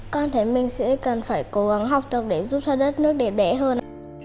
con thấy mình sẽ cần phải cố gắng học tập để giúp cho đất nước đẹp hơn